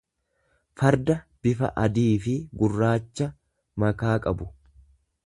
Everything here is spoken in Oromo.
farda bifa adiifi gurraacha makaa qabu.